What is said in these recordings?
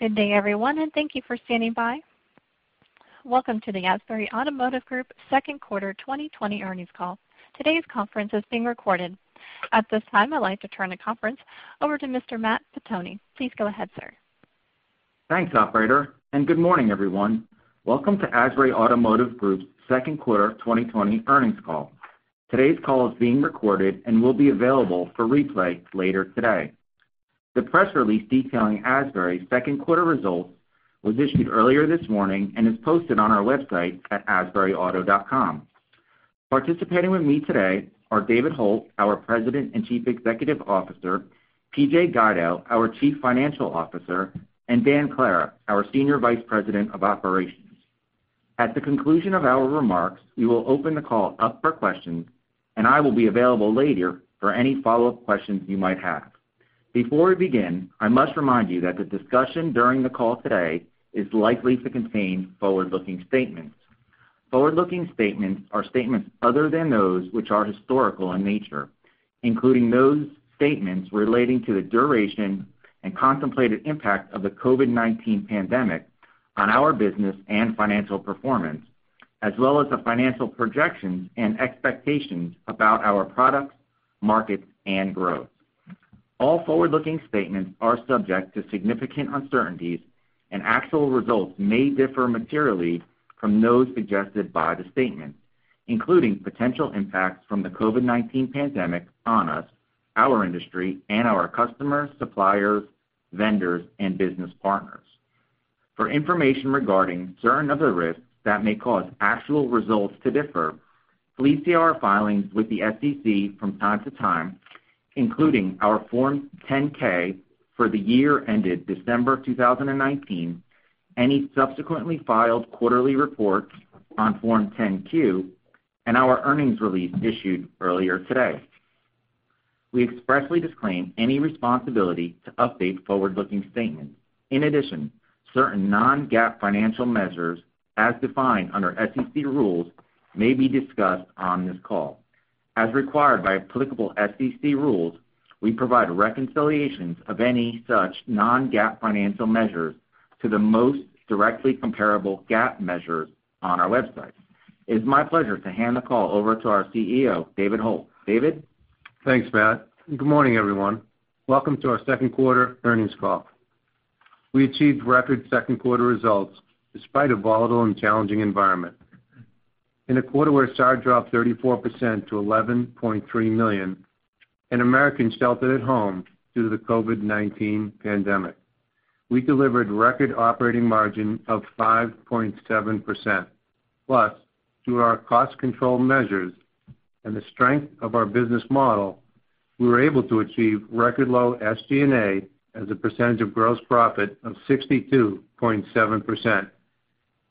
Good day, everyone, and thank you for standing by. Welcome to the Asbury Automotive Group second quarter 2020 earnings call. Today's conference is being recorded. At this time, I'd like to turn the conference over to Mr. Matt Pettoni. Please go ahead, sir. Thanks, operator. Good morning, everyone. Welcome to Asbury Automotive Group's second quarter 2020 earnings call. Today's call is being recorded and will be available for replay later today. The press release detailing Asbury's second quarter results was issued earlier this morning and is posted on our website at asburyauto.com. Participating with me today are David Hult, our President and Chief Executive Officer, P.J. Guido, our Chief Financial Officer, and Dan Clara, our Senior Vice President of Operations. At the conclusion of our remarks, we will open the call up for questions. I will be available later for any follow-up questions you might have. Before we begin, I must remind you that the discussion during the call today is likely to contain forward-looking statements. Forward-looking statements are statements other than those which are historical in nature, including those statements relating to the duration and contemplated impact of the COVID-19 pandemic on our business and financial performance, as well as the financial projections and expectations about our products, markets, and growth. All forward-looking statements are subject to significant uncertainties, and actual results may differ materially from those suggested by the statements, including potential impacts from the COVID-19 pandemic on us, our industry, and our customers, suppliers, vendors, and business partners. For information regarding certain other risks that may cause actual results to differ, please see our filings with the SEC from time to time, including our Form 10-K for the year ended December 2019, any subsequently filed quarterly reports on Form 10-Q, and our earnings release issued earlier today. We expressly disclaim any responsibility to update forward-looking statements. In addition, certain non-GAAP financial measures, as defined under SEC rules, may be discussed on this call. As required by applicable SEC rules, we provide reconciliations of any such non-GAAP financial measures to the most directly comparable GAAP measures on our website. It's my pleasure to hand the call over to our CEO, David Hult. David? Thanks, Matt. Good morning, everyone. Welcome to our second-quarter earnings call. We achieved record second-quarter results despite a volatile and challenging environment. In a quarter where SAAR dropped 34% to 11.3 million and Americans sheltered at home due to the COVID-19 pandemic, we delivered record operating margin of 5.7%. Plus, through our cost control measures and the strength of our business model, we were able to achieve record low SG&A as a percentage of gross profit of 62.7%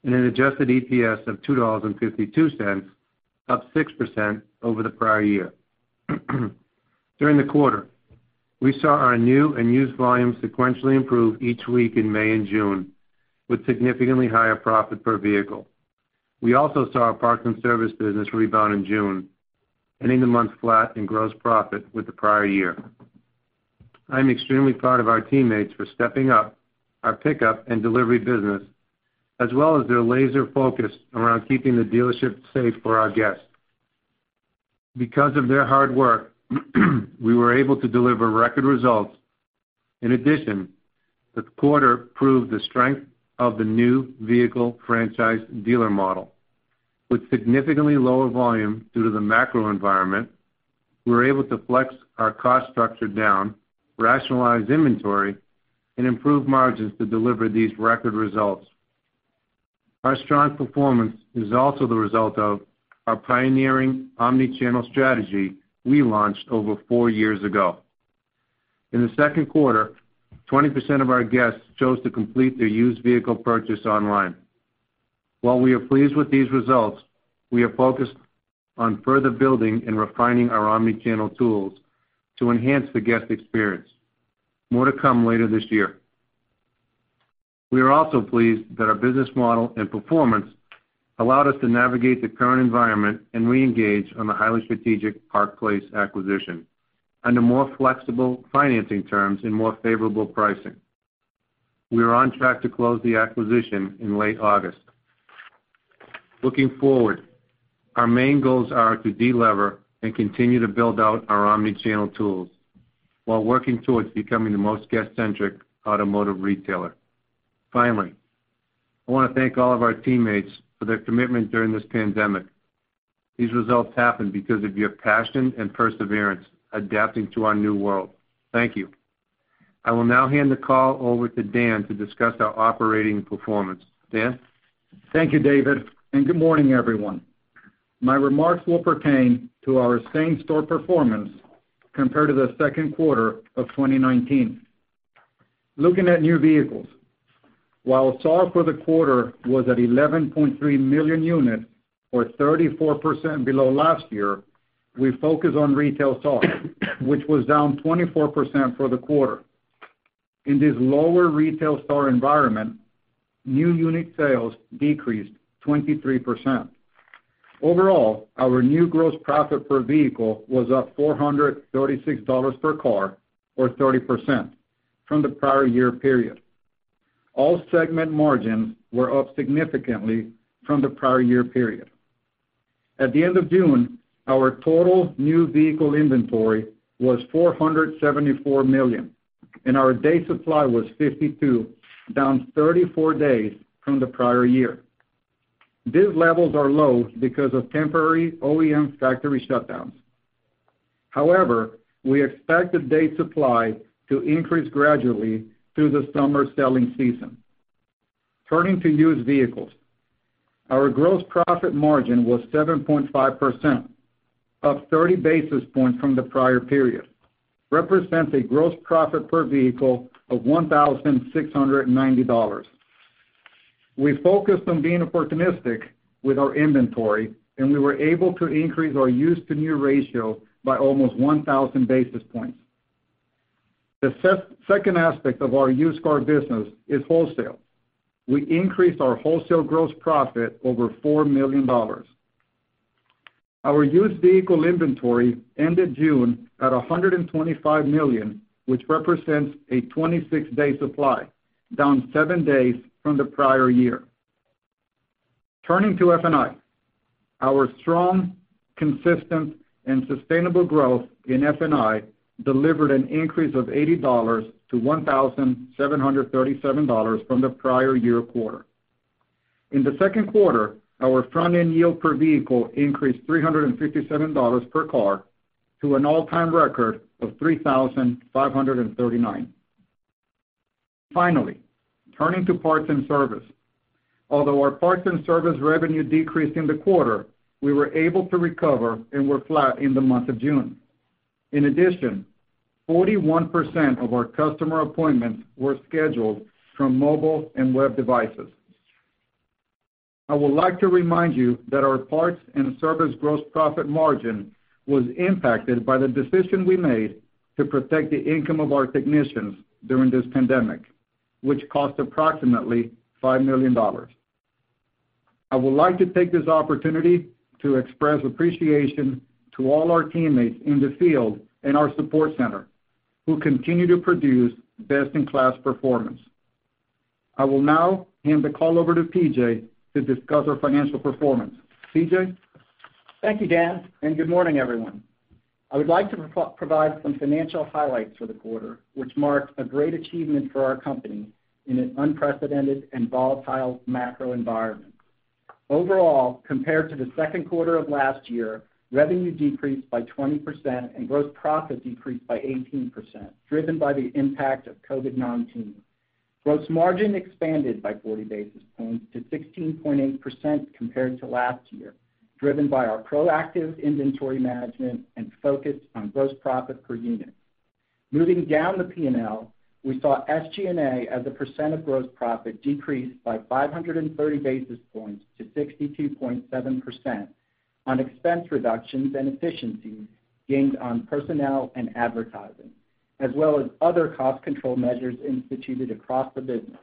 and an adjusted EPS of $2.52, up 6% over the prior year. During the quarter, we saw our new and used volume sequentially improve each week in May and June with significantly higher profit per vehicle. We also saw our parts and service business rebound in June, ending the month flat in gross profit with the prior year. I'm extremely proud of our teammates for stepping up our pickup and delivery business, as well as their laser focus around keeping the dealership safe for our guests. Because of their hard work, we were able to deliver record results. In addition, the quarter proved the strength of the new vehicle franchise dealer model. With significantly lower volume due to the macro environment, we were able to flex our cost structure down, rationalize inventory, and improve margins to deliver these record results. Our strong performance is also the result of our pioneering omni-channel strategy we launched over four years ago. In the second quarter, 20% of our guests chose to complete their used vehicle purchase online. While we are pleased with these results, we are focused on further building and refining our omni-channel tools to enhance the guest experience. More to come later this year. We are also pleased that our business model and performance allowed us to navigate the current environment and reengage on the highly strategic Park Place acquisition under more flexible financing terms and more favorable pricing. We are on track to close the acquisition in late August. Looking forward, our main goals are to de-lever and continue to build out our omni-channel tools while working towards becoming the most guest-centric automotive retailer. Finally, I want to thank all of our teammates for their commitment during this pandemic. These results happened because of your passion and perseverance adapting to our new world. Thank you. I will now hand the call over to Dan to discuss our operating performance. Dan? Thank you, David, and good morning, everyone. My remarks will pertain to our same-store performance compared to the second quarter of 2019. Looking at new vehicles, while SAAR for the quarter was at 11.3 million units, or 34% below last year, we focused on retail SAAR, which was down 24% for the quarter. In this lower retail SAAR environment, new unit sales decreased 23%. Overall, our new gross profit per vehicle was up $436 per car, or 30%, from the prior year period. All segment margins were up significantly from the prior year period. At the end of June, our total new vehicle inventory was $474 million, and our day supply was 52, down 34 days from the prior year. These levels are low because of temporary OEM factory shutdowns. We expect the day supply to increase gradually through the summer selling season. Turning to used vehicles. Our gross profit margin was 7.5%, up 30 basis points from the prior period. Represents a gross profit per vehicle of $1,690. We focused on being opportunistic with our inventory, and we were able to increase our used-to-new ratio by almost 1,000 basis points. The second aspect of our used car business is wholesale. We increased our wholesale gross profit over $4 million. Our used vehicle inventory ended June at $125 million, which represents a 26-day supply, down seven days from the prior year. Turning to F&I. Our strong, consistent, and sustainable growth in F&I delivered an increase of $80 to $1,737 from the prior year quarter. In the second quarter, our front-end yield per vehicle increased $357 per car to an all-time record of $3,539. Finally, turning to parts and service. Our parts and service revenue decreased in the quarter, we were able to recover and were flat in the month of June. 41% of our customer appointments were scheduled from mobile and web devices. I would like to remind you that our parts and service gross profit margin was impacted by the decision we made to protect the income of our technicians during this pandemic, which cost approximately $5 million. I would like to take this opportunity to express appreciation to all our teammates in the field and our support center who continue to produce best-in-class performance. I will now hand the call over to P.J. to discuss our financial performance. P.J.? Thank you, Dan, and good morning, everyone. I would like to provide some financial highlights for the quarter, which marked a great achievement for our company in an unprecedented and volatile macro environment. Overall, compared to the second quarter of last year, revenue decreased by 20% and gross profit decreased by 18%, driven by the impact of COVID-19. Gross margin expanded by 40 basis points to 16.8% compared to last year, driven by our proactive inventory management and focus on gross profit per unit. Moving down the P&L, we saw SG&A as a percent of gross profit decrease by 530 basis points to 62.7% on expense reductions and efficiencies gained on personnel and advertising, as well as other cost control measures instituted across the business.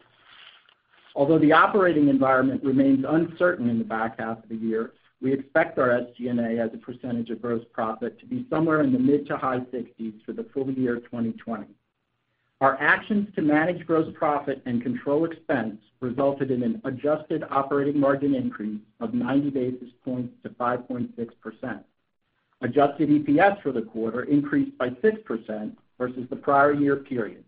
Although the operating environment remains uncertain in the back half of the year, we expect our SG&A as a percentage of gross profit to be somewhere in the mid to high 60s for the full year 2020. Our actions to manage gross profit and control expense resulted in an adjusted operating margin increase of 90 basis points to 5.6%. Adjusted EPS for the quarter increased by 6% versus the prior year period.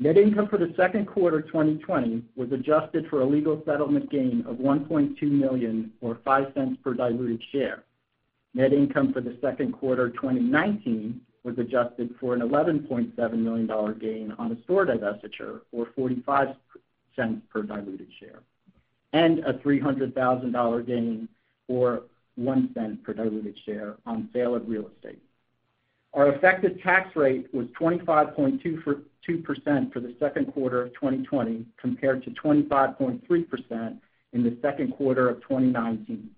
Net income for the second quarter 2020 was adjusted for a legal settlement gain of $1.2 million or $0.05 per diluted share. Net income for the second quarter 2019 was adjusted for an $11.7 million gain on a store divestiture or $0.45 per diluted share, and a $300,000 gain or $0.01 per diluted share on sale of real estate. Our effective tax rate was 25.2% for the second quarter of 2020 compared to 25.3% in the second quarter of 2019.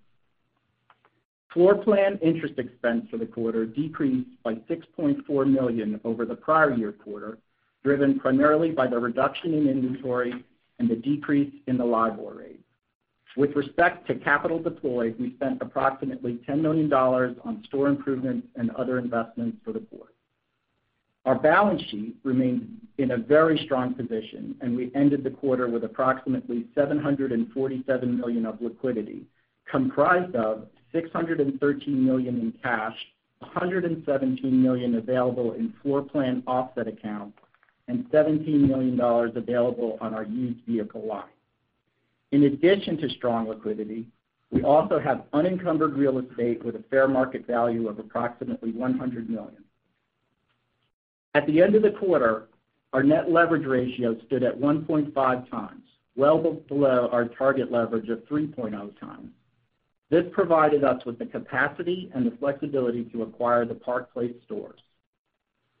Floorplan interest expense for the quarter decreased by $6.4 million over the prior year quarter, driven primarily by the reduction in inventory and the decrease in the LIBOR rate. With respect to capital deployed, we spent approximately $10 million on store improvements and other investments for the quarter. Our balance sheet remains in a very strong position. We ended the quarter with approximately $747 million of liquidity, comprised of $613 million in cash, $117 million available in floorplan offset account, and $17 million available on our used vehicle line. In addition to strong liquidity, we also have unencumbered real estate with a fair market value of approximately $100 million. At the end of the quarter, our net leverage ratio stood at 1.5x, well below our target leverage of 3.0x. This provided us with the capacity and the flexibility to acquire the Park Place stores.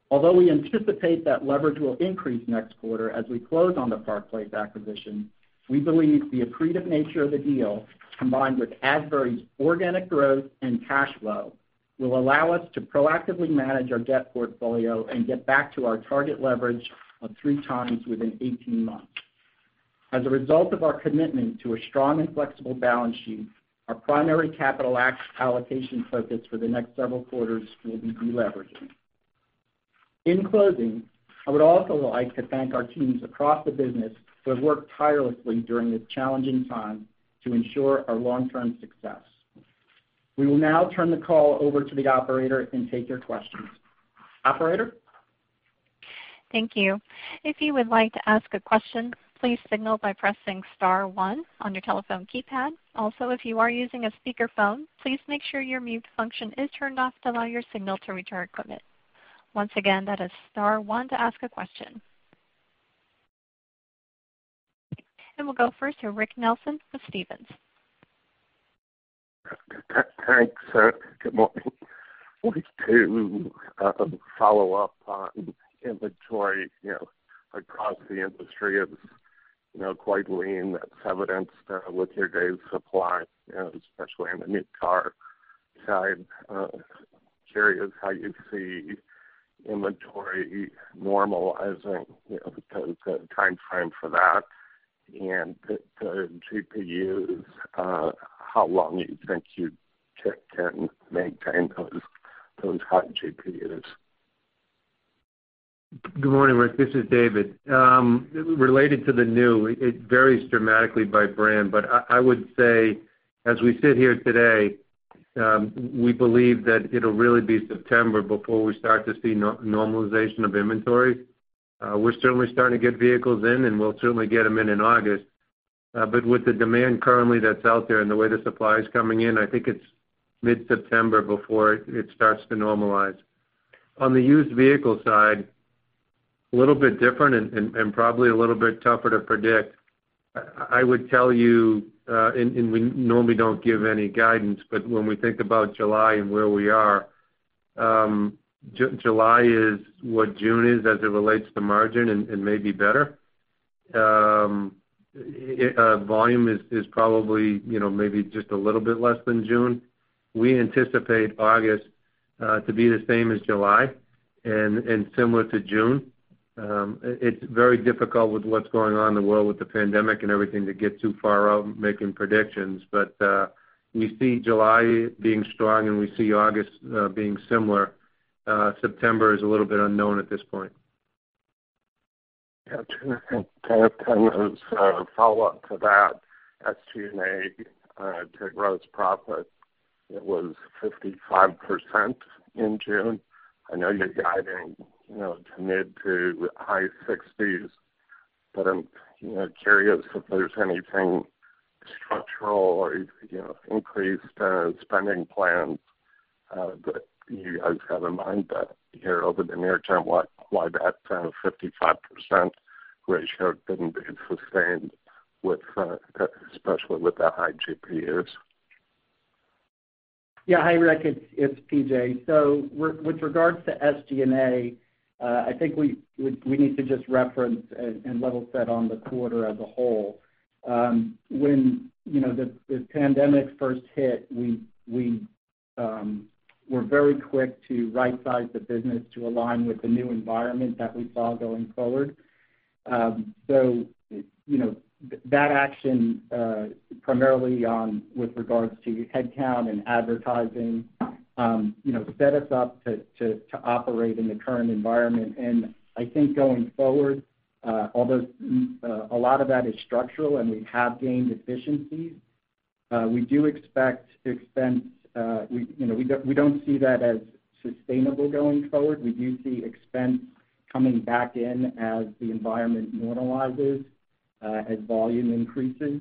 Although we anticipate that leverage will increase next quarter as we close on the Park Place acquisition, we believe the accretive nature of the deal, combined with Asbury's organic growth and cash flow, will allow us to proactively manage our debt portfolio and get back to our target leverage of 3x within 18 months. As a result of our commitment to a strong and flexible balance sheet, our primary capital allocation focus for the next several quarters will be de-leveraging. In closing, I would also like to thank our teams across the business who have worked tirelessly during this challenging time to ensure our long-term success. We will now turn the call over to the operator and take your questions. Operator? Thank you. If you would like to ask a question, please signal by pressing star one on your telephone keypad. Also, if you are using a speakerphone, please make sure your mute function is turned off to allow your signal to reach our equipment. Once again, that is star one to ask a question. We'll go first to Rick Nelson with Stephens. Thanks. Good morning. Wanted to follow up on inventory across the industry. It's quite lean. That's evidenced with your days supply, especially on the new car side. Curious how you see inventory normalizing, the timeframe for that. The GPUs, how long you think you can maintain those hot GPUs? Good morning, Rick. This is David. Related to the new, it varies dramatically by brand. I would say, as we sit here today, we believe that it'll really be September before we start to see normalization of inventory. We're certainly starting to get vehicles in, and we'll certainly get them in in August. With the demand currently that's out there and the way the supply is coming in, I think it's mid-September before it starts to normalize. On the used vehicle side, a little bit different and probably a little bit tougher to predict. I would tell you, and we normally don't give any guidance, but when we think about July and where we are, July is what June is as it relates to margin and maybe better. Volume is probably maybe just a little bit less than June. We anticipate August to be the same as July and similar to June. It's very difficult with what's going on in the world with the pandemic and everything to get too far out making predictions. We see July being strong, and we see August being similar. September is a little bit unknown at this point. Yeah. Two kind of follow up to that. SG&A to gross profit, it was 55% in June. I know you're guiding to mid to high 60s, but I'm curious if there's anything structural or increased spending plans that you guys have in mind that here over the near term, why that 55% ratio couldn't be sustained, especially with the high GPUs. Yeah. Hi, Rick, it's P.J. With regards to SG&A, I think we need to just reference and level set on the quarter as a whole. When the pandemic first hit, we were very quick to right size the business to align with the new environment that we saw going forward. That action primarily on with regards to headcount and advertising set us up to operate in the current environment. I think going forward, although a lot of that is structural and we have gained efficiencies, we don't see that as sustainable going forward. We do see expense coming back in as the environment normalizes as volume increases.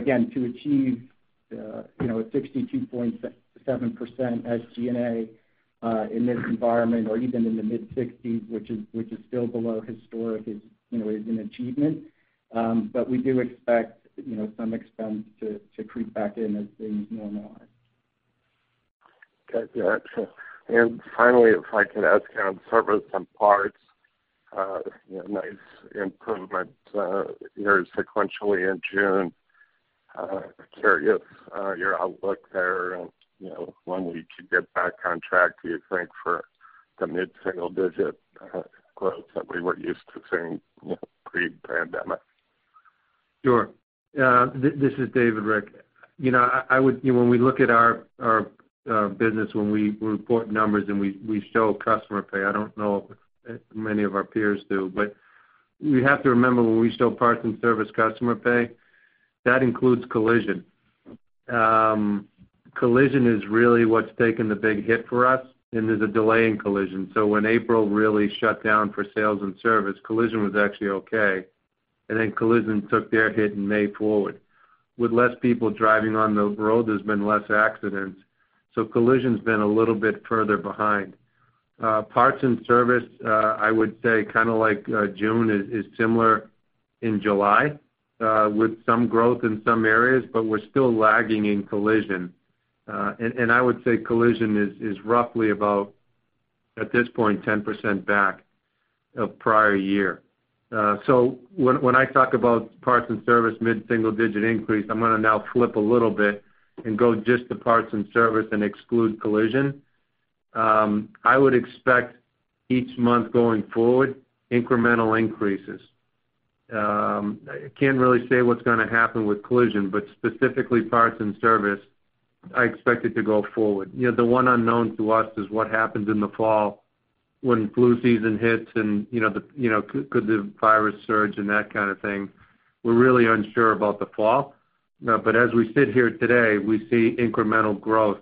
Again, to achieve a 62.7% SG&A in this environment or even in the mid-60s, which is still below historic is an achievement. We do expect some expense to creep back in as things normalize. Got you. Finally, if I could ask on service and parts, nice improvement year sequentially in June. Curious your outlook there and when we could get back on track, do you think, for the mid-single digit growth that we were used to seeing pre-pandemic? Sure. This is David, Rick. When we look at our business, when we report numbers and we show customer pay, I don't know if many of our peers do, but you have to remember when we show parts and service customer pay, that includes collision. Collision is really what's taken the big hit for us, and there's a delay in collision. When April really shut down for sales and service, collision was actually okay, and then collision took their hit in May forward. With less people driving on the road, there's been less accidents, so collision's been a little bit further behind. Parts and service, I would say June is similar in July with some growth in some areas, but we're still lagging in collision. I would say collision is roughly about, at this point, 10% back of prior year. When I talk about parts and service mid-single digit increase, I'm going to now flip a little bit and go just to parts and service and exclude collision. I would expect each month going forward, incremental increases. I can't really say what's going to happen with collision, but specifically parts and service, I expect it to go forward. The one unknown to us is what happens in the fall when flu season hits, and could the virus surge and that kind of thing. We're really unsure about the fall. As we sit here today, we see incremental growth,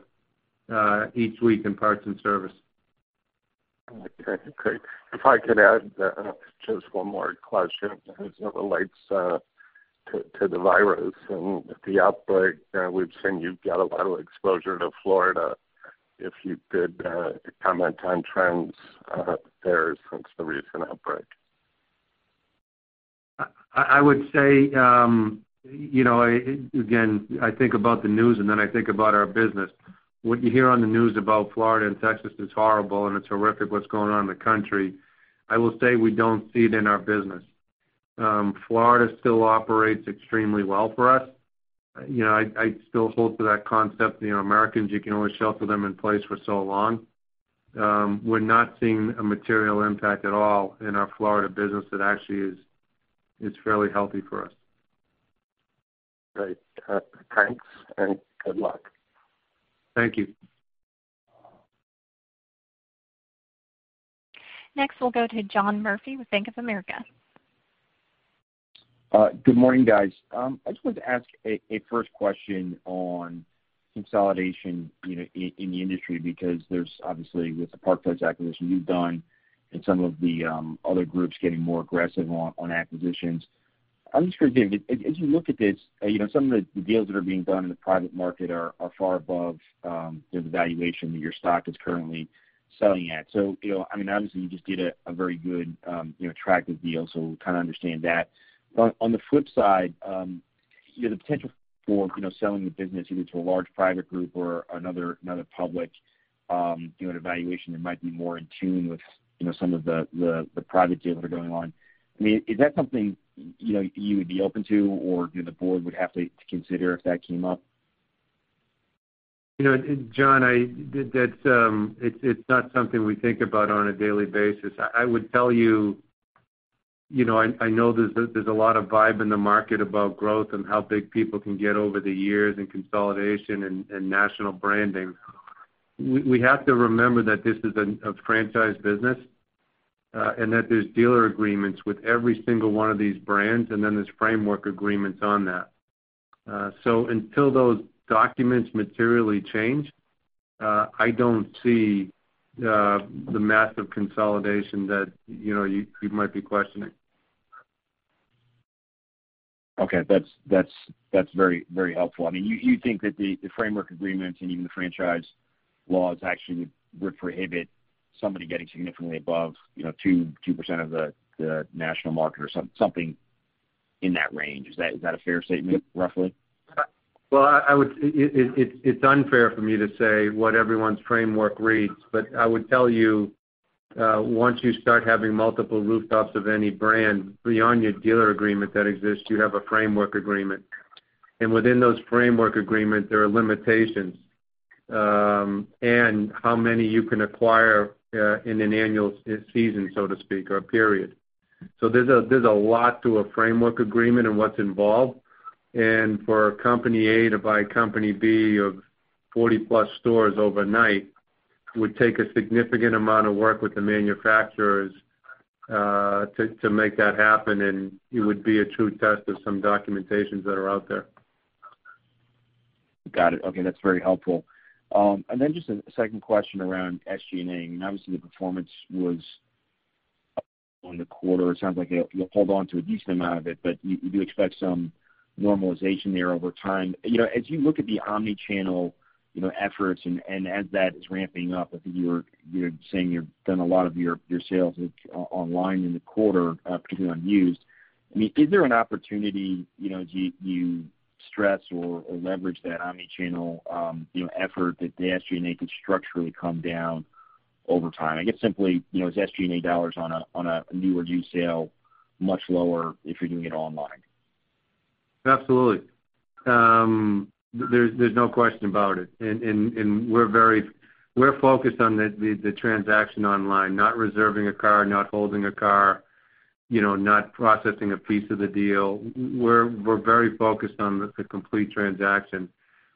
each week in parts and service. Okay, great. If I could add just one more question as it relates to the virus and the outbreak. We've seen you've got a lot of exposure to Florida. If you could comment on trends there since the recent outbreak. I would say, again, I think about the news, and then I think about our business. What you hear on the news about Florida and Texas is horrible, and it's horrific what's going on in the country. I will say we don't see it in our business. Florida still operates extremely well for us. I still hold to that concept, Americans, you can only shelter them in place for so long. We're not seeing a material impact at all in our Florida business. It actually is fairly healthy for us. Great. Thanks, and good luck. Thank you. Next, we'll go to John Murphy with Bank of America. Good morning, guys. I just wanted to ask a first question on consolidation in the industry, because there's obviously with the Park Place acquisition you've done and some of the other groups getting more aggressive on acquisitions. I'm just curious, David, as you look at this, some of the deals that are being done in the private market are far above the valuation that your stock is currently selling at. Obviously you just did a very good, attractive deal. We kind of understand that. On the flip side, the potential for selling the business either to a large private group or another public at a valuation that might be more in tune with some of the private deals that are going on, is that something you would be open to, or the board would have to consider if that came up? John, it's not something we think about on a daily basis. I would tell you, I know there's a lot of vibe in the market about growth and how big people can get over the years in consolidation and national branding. We have to remember that this is a franchise business, and that there's dealer agreements with every single one of these brands, and then there's framework agreements on that. Until those documents materially change, I don't see the massive consolidation that you might be questioning. Okay. That's very helpful. You think that the framework agreements and even the franchise laws actually would prohibit somebody getting significantly above 2% of the national market or something in that range. Is that a fair statement, roughly? Well, it's unfair for me to say what everyone's framework reads, but I would tell you, once you start having multiple rooftops of any brand beyond your dealer agreement that exists, you have a framework agreement. Within those framework agreements, there are limitations on how many you can acquire in an annual season, so to speak, or a period. There's a lot to a framework agreement and what's involved, and for company A to buy company B of 40+ stores overnight, would take a significant amount of work with the manufacturers to make that happen, and it would be a true test of some documentations that are out there. Got it. Okay, that's very helpful. Just a second question around SG&A. Obviously, the performance was up on the quarter. It sounds like you'll hold on to a decent amount of it, but you do expect some normalization there over time. As you look at the omni-channel efforts and as that is ramping up, I think you're saying you've done a lot of your sales online in the quarter, particularly on used. Is there an opportunity as you stress or leverage that omni-channel effort that the SG&A could structurally come down over time? I guess simply, is SG&A dollars on a new or used sale much lower if you're doing it online? Absolutely. There's no question about it. We're focused on the transaction online, not reserving a car, not holding a car, not processing a piece of the deal. We're very focused on the complete transaction.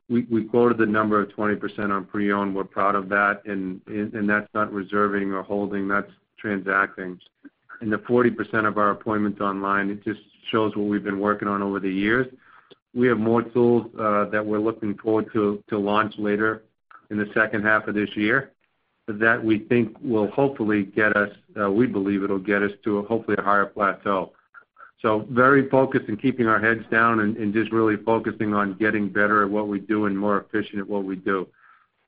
We quoted the number of 20% on pre-owned. We're proud of that. That's not reserving or holding, that's transacting. The 40% of our appointments online, it just shows what we've been working on over the years. We have more tools that we're looking forward to launch later in the second half of this year that we think will hopefully get us to, hopefully, a higher plateau. Very focused on keeping our heads down and just really focusing on getting better at what we do and more efficient at what we do.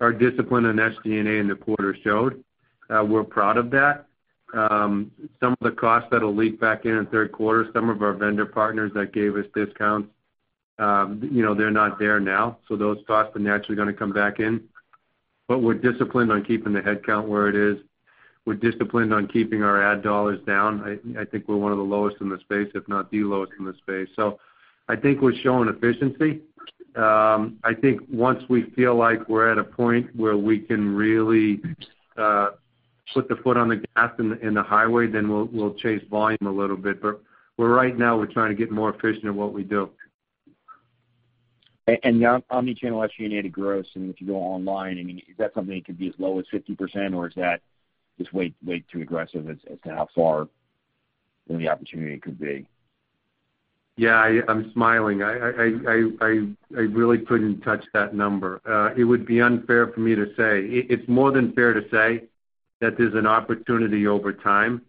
Our discipline on SG&A in the quarter showed. We're proud of that. Some of the costs that'll leak back in in the third quarter, some of our vendor partners that gave us discounts, they're not there now, so those costs are naturally going to come back in. We're disciplined on keeping the headcount where it is. We're disciplined on keeping our ad dollars down. I think we're one of the lowest in the space, if not the lowest in the space. I think we're showing efficiency. I think once we feel like we're at a point where we can really put the foot on the gas in the highway, then we'll chase volume a little bit. Right now, we're trying to get more efficient at what we do. The omni-channel SG&A gross, if you go online, is that something that could be as low as 50% or is that just way too aggressive as to how far the opportunity could be? Yeah, I'm smiling. I really couldn't touch that number. It would be unfair for me to say. It's more than fair to say that there's an opportunity over time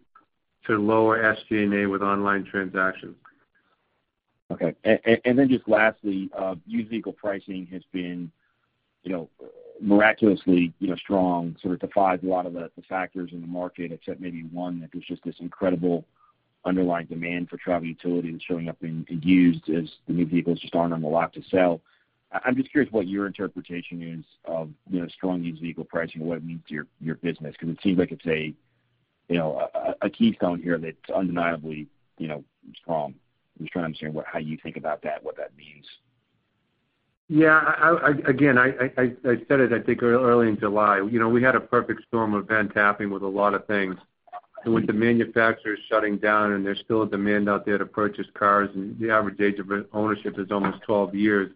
to lower SG&A with online transactions. Okay. Just lastly, used vehicle pricing has been miraculously strong, sort of defied a lot of the factors in the market, except maybe one, that there's just this incredible underlying demand for truck utility that's showing up in used as the new vehicles just aren't on the lot to sell. I'm just curious what your interpretation is of strong used vehicle pricing and what it means to your business, because it seems like it's a keystone here that's undeniably strong. I'm just trying to understand how you think about that, what that means. Yeah. Again, I said it, I think, early in July. We had a perfect storm event happening with a lot of things. With the manufacturers shutting down, there's still a demand out there to purchase cars, and the average age of ownership is almost 12 years,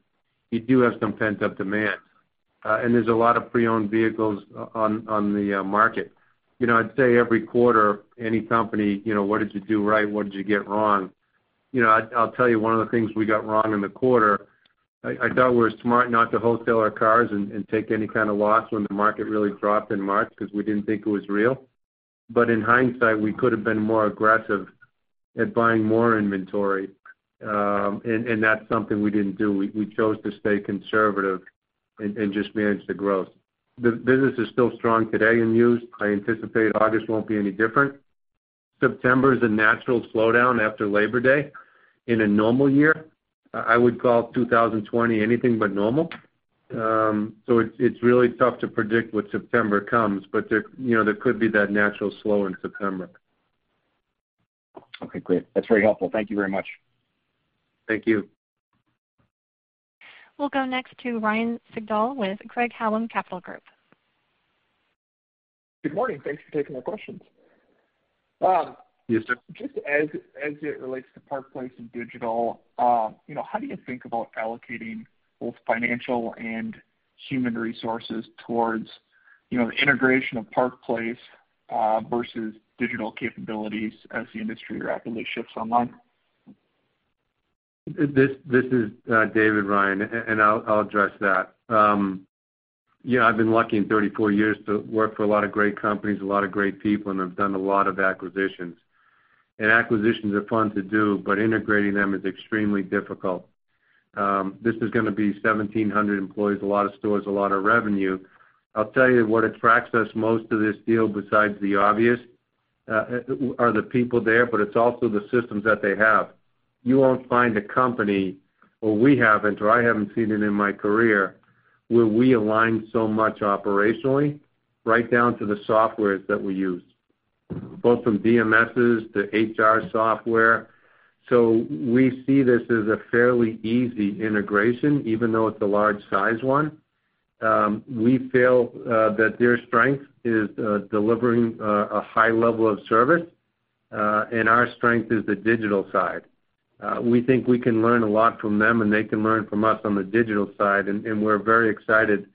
you do have some pent-up demand. There's a lot of pre-owned vehicles on the market. I'd say every quarter, any company, what did you do right? What did you get wrong? I'll tell you one of the things we got wrong in the quarter, I thought we were smart not to wholesale our cars and take any kind of loss when the market really dropped in March because we didn't think it was real. In hindsight, we could have been more aggressive at buying more inventory, and that's something we didn't do. We chose to stay conservative and just manage the growth. The business is still strong today in used. I anticipate August won't be any different. September is a natural slowdown after Labor Day in a normal year. I would call 2020 anything but normal. It's really tough to predict what September comes, but there could be that natural slow in September. Okay, great. That's very helpful. Thank you very much. Thank you. We'll go next to Ryan Sigdahl with Craig-Hallum Capital Group. Good morning. Thanks for taking my questions. Yes, sir. As it relates to Park Place and digital, how do you think about allocating both financial and human resources towards the integration of Park Place versus digital capabilities as the industry rapidly shifts online? This is David, Ryan, and I'll address that. I've been lucky in 34 years to work for a lot of great companies, a lot of great people, and I've done a lot of acquisitions. Acquisitions are fun to do, but integrating them is extremely difficult. This is going to be 1,700 employees, a lot of stores, a lot of revenue. I'll tell you what attracts us most to this deal besides the obvious are the people there, but it's also the systems that they have. You won't find a company, or we haven't, or I haven't seen it in my career, where we align so much operationally right down to the softwares that we use, both from DMSs to HR software. We see this as a fairly easy integration, even though it's a large size one. We feel that their strength is delivering a high level of service, and our strength is the digital side. We think we can learn a lot from them, and they can learn from us on the digital side, and we're very excited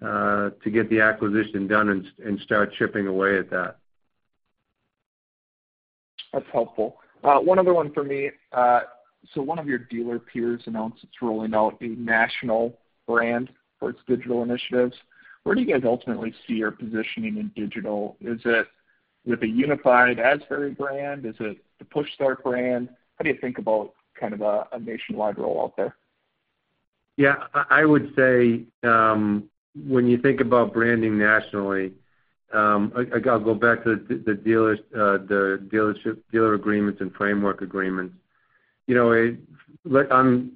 to get the acquisition done and start chipping away at that. That's helpful. One other one for me. One of your dealer peers announced it's rolling out a national brand for its digital initiatives. Where do you guys ultimately see your positioning in digital? Is it with a unified Asbury brand? Is it the Push Start brand? How do you think about kind of a nationwide rollout there? Yeah, I would say when you think about branding nationally, I got to go back to the dealer agreements and framework agreements. I'm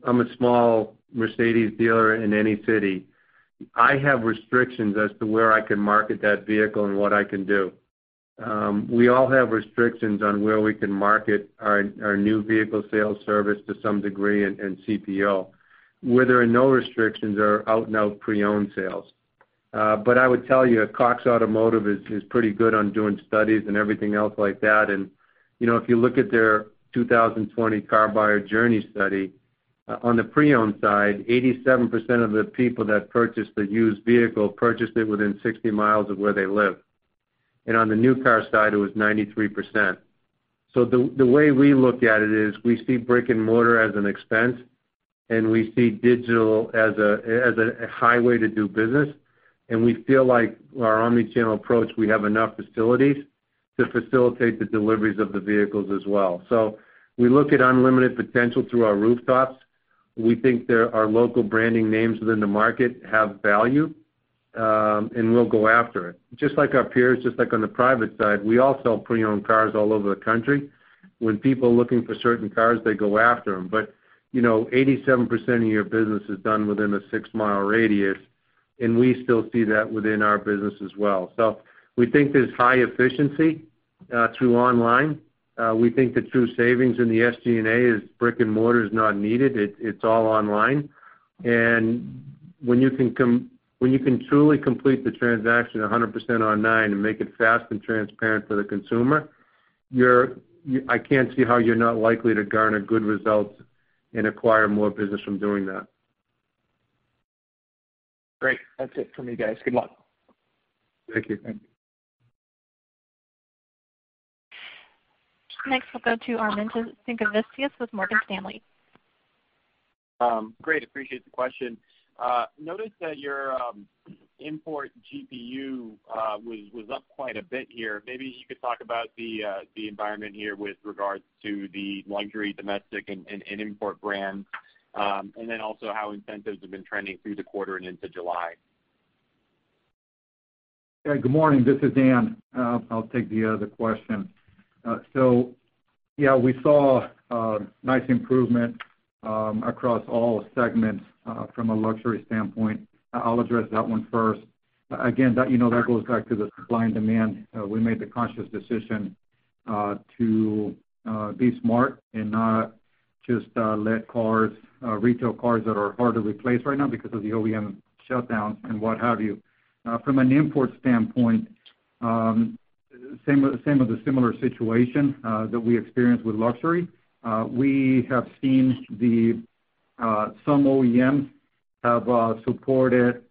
a small Mercedes dealer in any city. I have restrictions as to where I can market that vehicle and what I can do. We all have restrictions on where we can market our new vehicle sales service to some degree and CPO. Where there are no restrictions are out and out pre-owned sales. I would tell you that Cox Automotive is pretty good on doing studies and everything else like that. If you look at their 2020 Car Buyer Journey Study, on the pre-owned side, 87% of the people that purchased a used vehicle purchased it within 60 mi of where they live. On the new car side, it was 93%. The way we look at it is we see brick and mortar as an expense, and we see digital as a highway to do business, and we feel like our omni-channel approach, we have enough facilities to facilitate the deliveries of the vehicles as well. We look at unlimited potential through our rooftops. We think that our local branding names within the market have value, and we'll go after it. Just like our peers, just like on the private side, we all sell pre-owned cars all over the country. When people are looking for certain cars, they go after them. 87% of your business is done within a six-mile radius, and we still see that within our business as well. We think there's high efficiency through online. We think the true savings in the SG&A is brick and mortar is not needed. It's all online. When you can truly complete the transaction 100% online and make it fast and transparent for the consumer, I can't see how you're not likely to garner good results and acquire more business from doing that. Great. That's it for me, guys. Good luck. Thank you. Thank you. Next, we'll go to Armintas Sinkevicius with Morgan Stanley. Great. Appreciate the question. Noticed that your import GPU was up quite a bit here. Maybe you could talk about the environment here with regards to the luxury domestic and import brands. Then also how incentives have been trending through the quarter and into July. Yeah, good morning. This is Dan. I'll take the other question. We saw a nice improvement across all segments from a luxury standpoint. I'll address that one first. Again, that goes back to the supply and demand. We made the conscious decision to be smart and not just let retail cars that are hard to replace right now because of the OEM shutdowns and what have you. From an import standpoint, same of the similar situation that we experienced with luxury. We have seen some OEMs have supported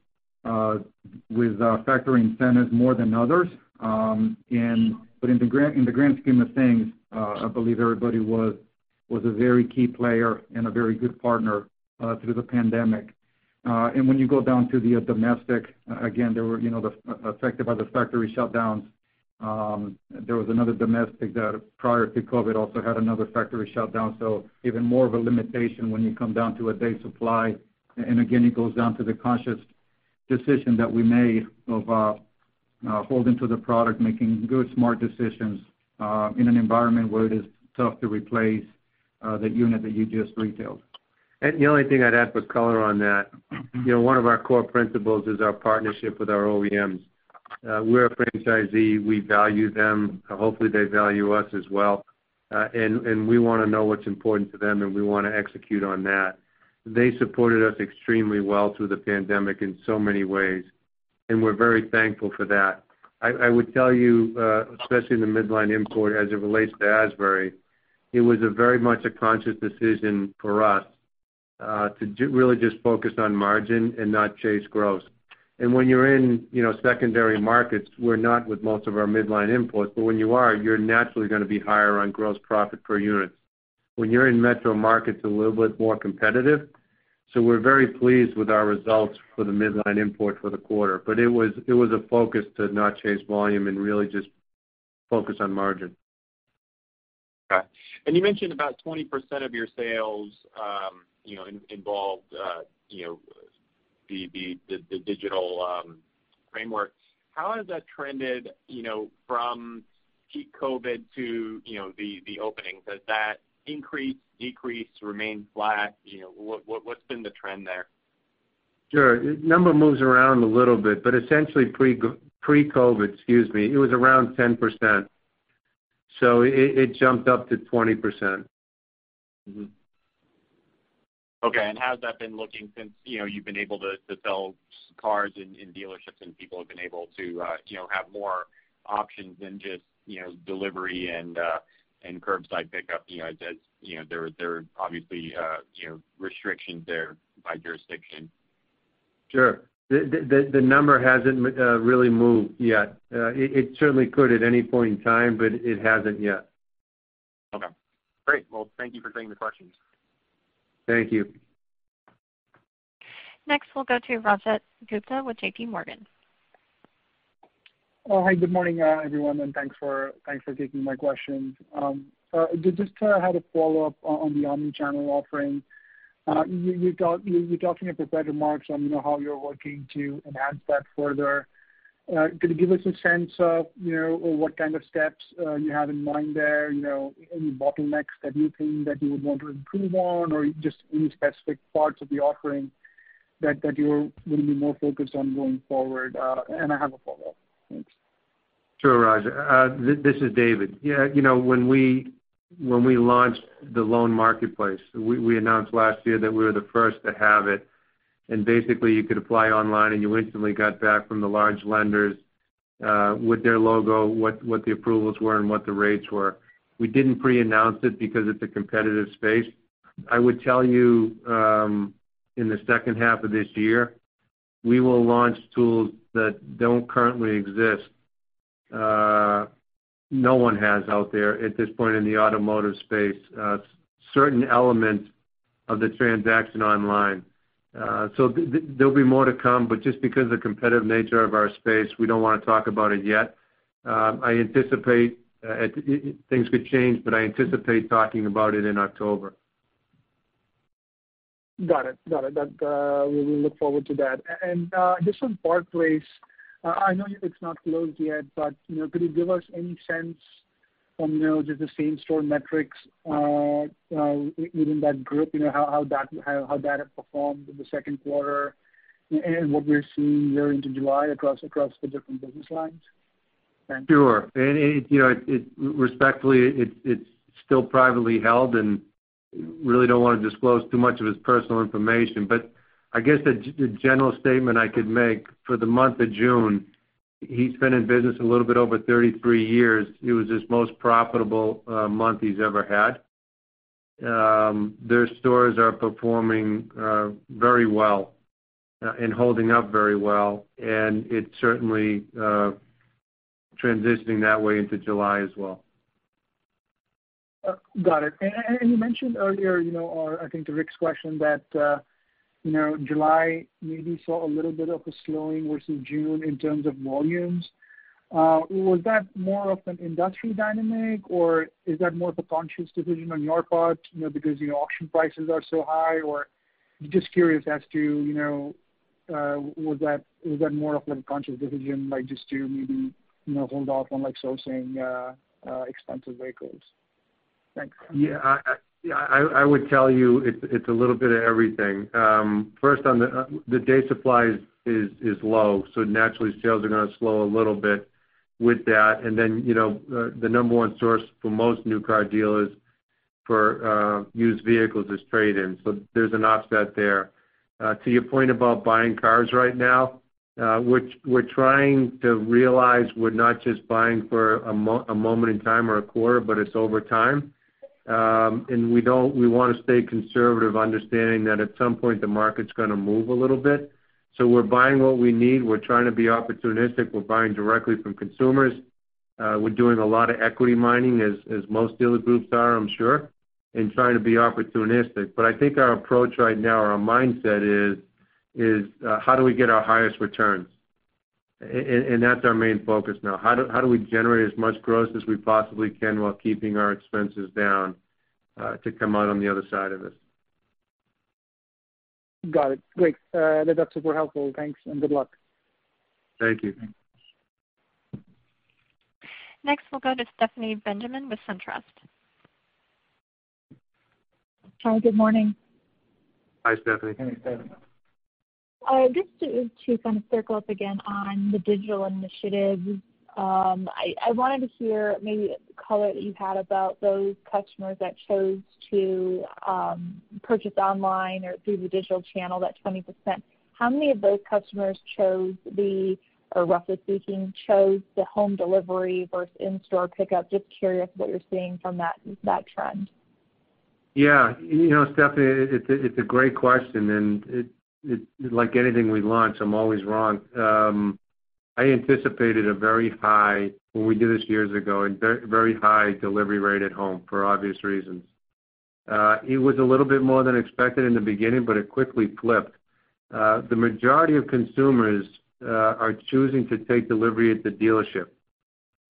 with factory incentives more than others. In the grand scheme of things, I believe everybody was a very key player and a very good partner through the pandemic. When you go down to the domestic, again, they were affected by the factory shutdowns. There was another domestic that, prior to COVID, also had another factory shutdown, so even more of a limitation when you come down to a day supply. Again, it goes down to the conscious decision that we made of holding to the product, making good smart decisions in an environment where it is tough to replace the unit that you just retailed. The only thing I'd add for color on that, one of our core principles is our partnership with our OEMs. We're a franchisee. We value them, hopefully they value us as well. We want to know what's important to them, and we want to execute on that. They supported us extremely well through the pandemic in so many ways, and we're very thankful for that. I would tell you, especially in the midline import as it relates to Asbury, it was a very much a conscious decision for us to really just focus on margin and not chase growth. When you're in secondary markets, we're not with most of our midline imports, but when you are, you're naturally going to be higher on gross profit per unit. When you're in metro markets, a little bit more competitive. We're very pleased with our results for the midline import for the quarter. It was a focus to not chase volume and really just focus on margin. Gotcha. You mentioned about 20% of your sales involved the digital framework. How has that trended from peak COVID to the opening? Has that increased, decreased, remained flat? What's been the trend there? Sure. Number moves around a little bit, but essentially pre-COVID, excuse me, it was around 10%. It jumped up to 20%. Okay, how has that been looking since you've been able to sell cars in dealerships and people have been able to have more options than just delivery and curbside pickup? There are obviously restrictions there by jurisdiction. Sure. The number hasn't really moved yet. It certainly could at any point in time, but it hasn't yet. Okay. Great. Well, thank you for taking the questions. Thank you. Next, we'll go to Rajat Gupta with JPMorgan. Oh, hi. Good morning, everyone. Thanks for taking my questions. Just had a follow-up on the omnichannel offering. You talked in your prepared remarks on how you're working to enhance that further. Can you give us a sense of what kind of steps you have in mind there? Any bottlenecks that you think that you would want to improve on, or just any specific parts of the offering that you're going to be more focused on going forward? I have a follow-up. Thanks. Sure, Raj. This is David. Yeah, when we launched the loan marketplace, we announced last year that we were the first to have it. Basically, you could apply online, and you instantly got back from the large lenders, with their logo, what the approvals were and what the rates were. We didn't pre-announce it because it's a competitive space. I would tell you, in the second half of this year, we will launch tools that don't currently exist. No one has out there at this point in the automotive space certain elements of the transaction online. There'll be more to come, but just because of the competitive nature of our space, we don't want to talk about it yet. Things could change, but I anticipate talking about it in October. Got it. We look forward to that. Just on Park Place, I know it's not closed yet, but could you give us any sense from just the same store metrics within that group, how that has performed in the second quarter and what we're seeing there into July across the different business lines? Thanks. Sure. Respectfully, it's still privately held, and really don't want to disclose too much of his personal information. I guess the general statement I could make for the month of June, he's been in business a little bit over 33 years. It was his most profitable month he's ever had. Their stores are performing very well and holding up very well, and it certainly transitioning that way into July as well. Got it. You mentioned earlier, I think to Rick's question that July maybe saw a little bit of a slowing versus June in terms of volumes. Was that more of an industry dynamic, or is that more of a conscious decision on your part because your auction prices are so high? Just curious as to, was that more of a conscious decision by just to maybe hold off on sourcing expensive vehicles? Thanks. Yeah. I would tell you it's a little bit of everything. First, on the day supply is low, naturally, sales are going to slow a little bit with that. The number one source for most new car dealers for used vehicles is trade-ins. There's an offset there. To your point about buying cars right now, which we're trying to realize we're not just buying for a moment in time or a quarter, but it's over time. We want to stay conservative, understanding that at some point the market's going to move a little bit. We're buying what we need. We're trying to be opportunistic. We're buying directly from consumers. We're doing a lot of equity mining, as most dealer groups are, I'm sure, and trying to be opportunistic. I think our approach right now, our mindset is how do we get our highest returns? That's our main focus now. How do we generate as much gross as we possibly can while keeping our expenses down to come out on the other side of this? Got it. Great. That's super helpful. Thanks, and good luck. Thank you. Next, we'll go to Stephanie Benjamin with SunTrust. Hi. Good morning. Hi, Stephanie. Hey, Stephanie. Just to kind of circle up again on the digital initiatives. I wanted to hear maybe the color that you've had about those customers that chose to purchase online or through the digital channel, that 20%. How many of those customers chose the, or roughly speaking, chose the home delivery versus in-store pickup? Just curious what you're seeing from that trend. Yeah. Stephanie, it's a great question, and like anything we launch, I'm always wrong. I anticipated a very high delivery rate at home for obvious reasons. It was a little bit more than expected in the beginning, it quickly flipped. The majority of consumers are choosing to take delivery at the dealership.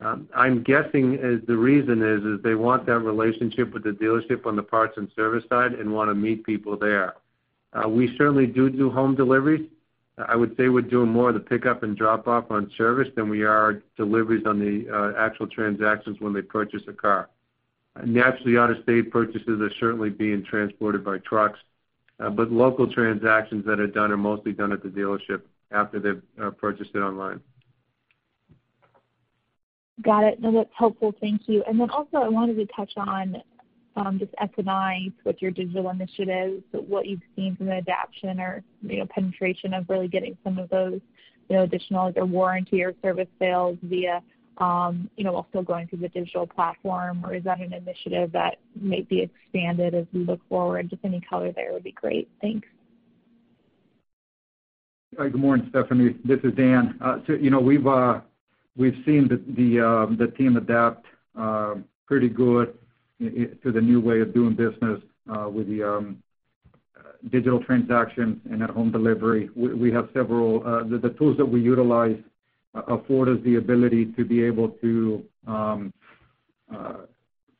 I'm guessing the reason is they want that relationship with the dealership on the parts and service side and want to meet people there. We certainly do home deliveries. I would say we're doing more of the pickup and drop-off on service than we are deliveries on the actual transactions when they purchase a car. Out-of-state purchases are certainly being transported by trucks. Local transactions that are done are mostly done at the dealership after they've purchased it online. Got it. No, that's helpful. Thank you. Then also I wanted to touch on just F&I with your digital initiatives, what you've seen from an adoption or penetration of really getting some of those additional either warranty or service sales via also going through the digital platform? Is that an initiative that may be expanded as we look forward? Just any color there would be great. Thanks. Good morning, Stephanie. This is Dan. We've seen the team adapt pretty good to the new way of doing business with the digital transaction and at home delivery. The tools that we utilize afford us the ability to be able to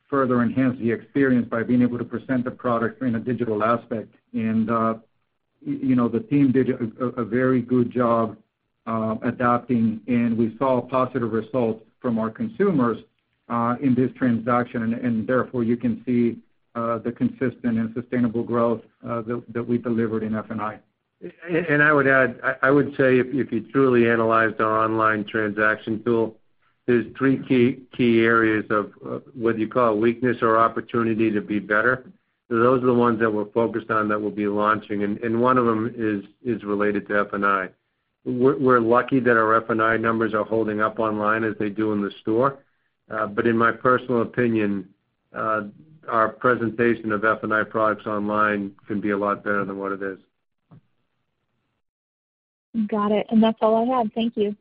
further enhance the experience by being able to present the product in a digital aspect. The team did a very good job adapting, and we saw positive results from our consumers in this transaction, and therefore you can see the consistent and sustainable growth that we delivered in F&I. I would add, I would say if you truly analyze the online transaction tool, there's three key areas of whether you call it weakness or opportunity to be better. Those are the ones that we're focused on that we'll be launching, and one of them is related to F&I. We're lucky that our F&I numbers are holding up online as they do in the store. In my personal opinion, our presentation of F&I products online can be a lot better than what it is. Got it. That's all I have. Thank you.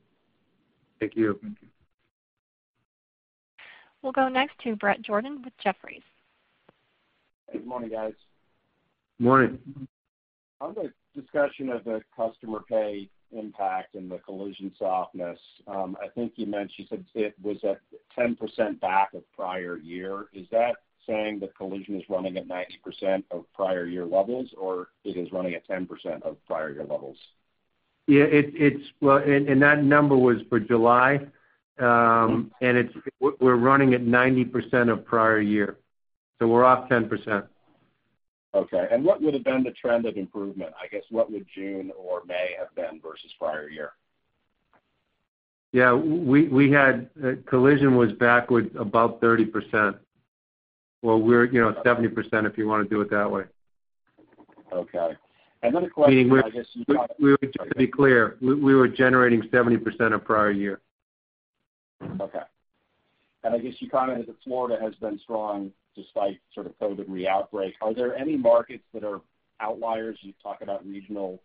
Thank you. Thank you. We'll go next to Bret Jordan with Jefferies. Good morning, guys. Morning. On the discussion of the customer pay impact and the collision softness, I think you mentioned it was at 10% back of prior year. Is that saying that collision is running at 90% of prior year levels, or it is running at 10% of prior year levels? Yeah. That number was for July. We're running at 90% of prior year, so we're off 10%. Okay. What would have been the trend of improvement? I guess what would June or May have been versus prior year? Yeah. Collision was backwards above 30%. Well, 70%, if you want to do it that way. Okay. Another question, I guess. To be clear, we were generating 70% of prior year. Okay. I guess you commented that Florida has been strong despite sort of COVID re-outbreak. Are there any markets that are outliers? You talk about regional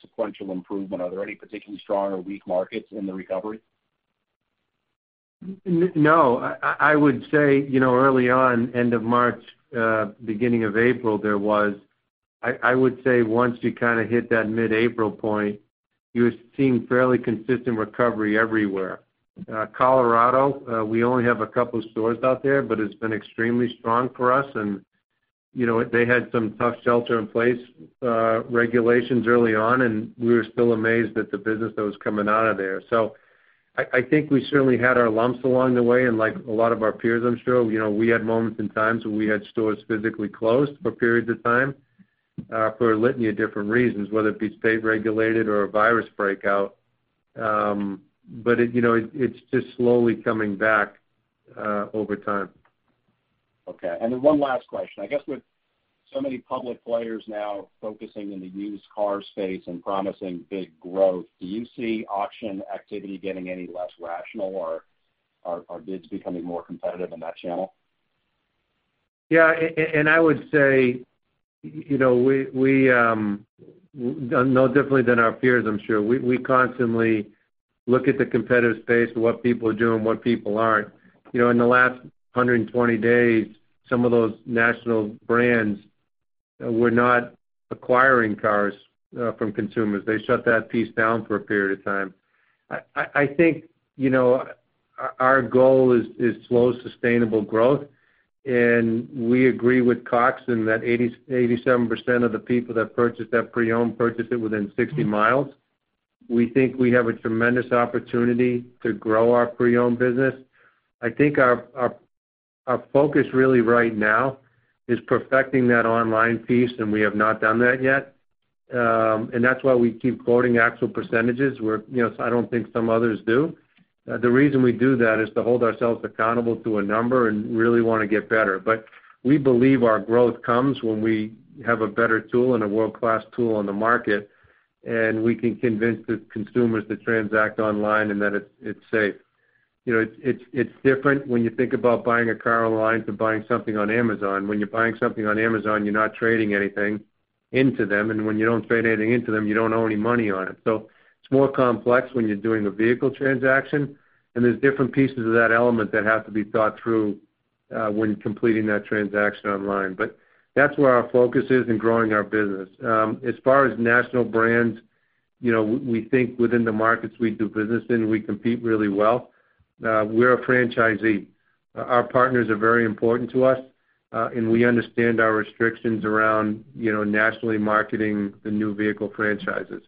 sequential improvement. Are there any particularly strong or weak markets in the recovery? No. I would say early on, end of March, beginning of April, there was. I would say once you kind of hit that mid-April point, you were seeing fairly consistent recovery everywhere. Colorado, we only have a couple stores out there, but it's been extremely strong for us. They had some tough shelter-in-place regulations early on, and we were still amazed at the business that was coming out of there. I think we certainly had our lumps along the way and like a lot of our peers, I'm sure, we had moments and times where we had stores physically closed for periods of time for a litany of different reasons, whether it be state regulated or a virus breakout. It's just slowly coming back over time. Okay. One last question. I guess with so many public players now focusing in the used car space and promising big growth, do you see auction activity getting any less rational or are bids becoming more competitive in that channel? I would say, no differently than our peers, I'm sure, we constantly look at the competitive space, what people are doing, what people aren't. In the last 120 days, some of those national brands were not acquiring cars from consumers. They shut that piece down for a period of time. I think our goal is slow, sustainable growth. We agree with Cox in that 87% of the people that purchased that pre-owned purchased it within 60 miles. We think we have a tremendous opportunity to grow our pre-owned business. I think our focus really right now is perfecting that online piece, and we have not done that yet. That's why we keep quoting actual percentages, where I don't think some others do. The reason we do that is to hold ourselves accountable to a number and really want to get better. We believe our growth comes when we have a better tool and a world-class tool on the market, and we can convince the consumers to transact online and that it's safe. It's different when you think about buying a car online to buying something on Amazon. When you're buying something on Amazon, you're not trading anything into them. When you don't trade anything into them, you don't owe any money on it. It's more complex when you're doing a vehicle transaction, and there's different pieces of that element that have to be thought through when completing that transaction online. That's where our focus is in growing our business. As far as national brands, we think within the markets we do business in, we compete really well. We're a franchisee. Our partners are very important to us, and we understand our restrictions around nationally marketing the new vehicle franchises.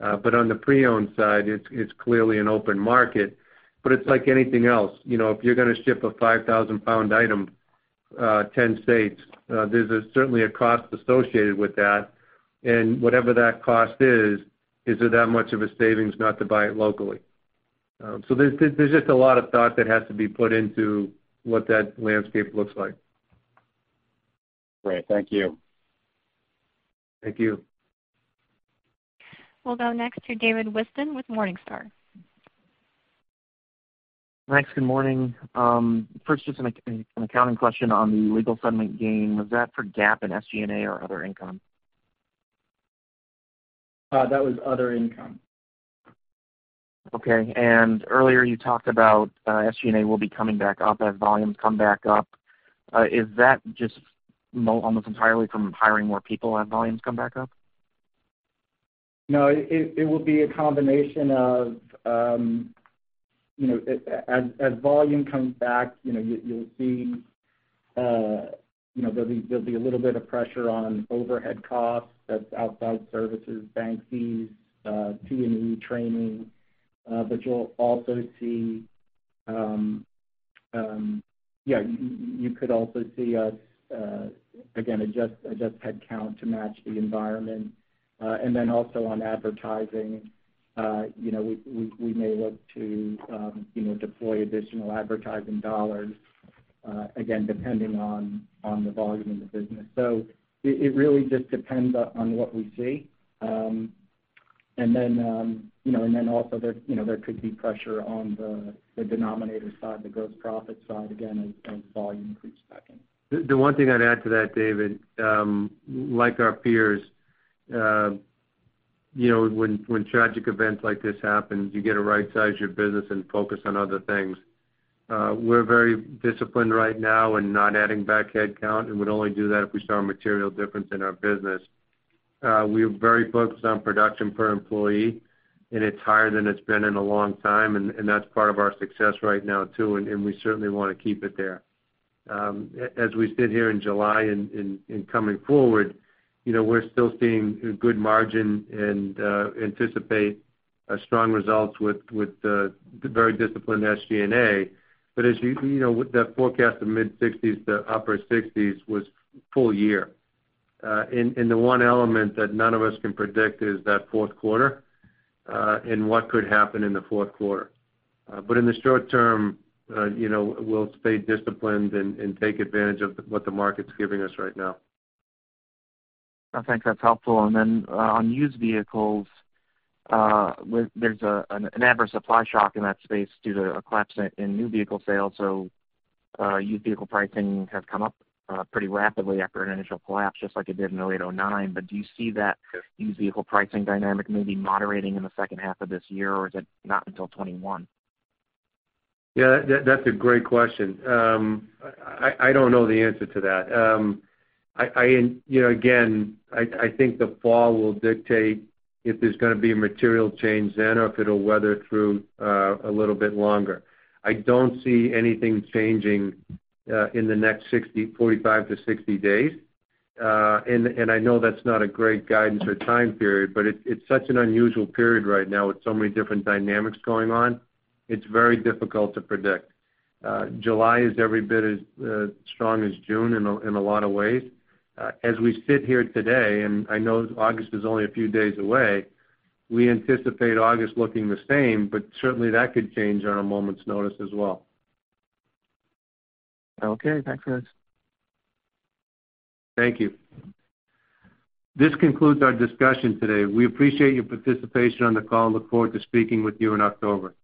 On the pre-owned side, it's clearly an open market. It's like anything else. If you're going to ship a 5,000-pound item 10 states, there's certainly a cost associated with that. Whatever that cost is it that much of a savings not to buy it locally? There's just a lot of thought that has to be put into what that landscape looks like. Great. Thank you. Thank you. We'll go next to David Whiston with Morningstar. Thanks. Good morning. First, just an accounting question on the legal settlement gain. Was that for GAAP and SG&A or other income? That was other income. Okay. Earlier you talked about SG&A will be coming back up as volumes come back up. Is that just almost entirely from hiring more people as volumes come back up? No. It will be a combination of as volume comes back, there'll be a little bit of pressure on overhead costs. That's outside services, bank fees, T&E training. You could also see us, again, adjust headcount to match the environment. On advertising, we may look to deploy additional advertising dollars, again, depending on the volume of the business. It really just depends on what we see. There could be pressure on the denominator side, the gross profit side, again, as volume creeps back in. The one thing I'd add to that, David, like our peers, when tragic events like this happen, you got to rightsize your business and focus on other things. We're very disciplined right now in not adding back headcount, and would only do that if we saw a material difference in our business. We are very focused on production per employee. It's higher than it's been in a long time. That's part of our success right now, too. We certainly want to keep it there. As we sit here in July and coming forward, we're still seeing good margin and anticipate strong results with the very disciplined SG&A. With that forecast of mid-60s to upper 60s was full year. The one element that none of us can predict is that fourth quarter. What could happen in the fourth quarter. In the short term, we'll stay disciplined and take advantage of what the market's giving us right now. I think that's helpful. On used vehicles, there's an adverse supply shock in that space due to a collapse in new vehicle sales, so used vehicle pricing has come up pretty rapidly after an initial collapse, just like it did in 2008, 2009. Do you see that used vehicle pricing dynamic maybe moderating in the second half of this year, or is it not until 2021? Yeah, that's a great question. I don't know the answer to that. Again, I think the fall will dictate if there's going to be a material change then or if it'll weather through a little bit longer. I don't see anything changing in the next 45-60 days. I know that's not a great guidance or time period, but it's such an unusual period right now with so many different dynamics going on. It's very difficult to predict. July is every bit as strong as June in a lot of ways. As we sit here today, and I know August is only a few days away, we anticipate August looking the same, but certainly that could change on a moment's notice as well. Okay. Thanks, David. Thank you. This concludes our discussion today. We appreciate your participation on the call and look forward to speaking with you in October. Thank you.